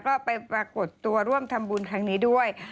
ก็ไปปรากฏตัวร่วมทำบุญครั้งนี้ด้วย